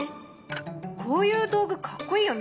こういう道具かっこいいよね。